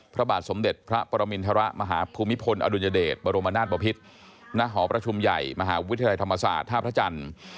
พระบาทสมเด็จพระปรมินทรมาฮภูมิพลอดุลยเดชบรมนาศบพิษณหอประชุมใหญ่มหาวิทยาลัยธรรมศาสตร์ท่าพระจันทร์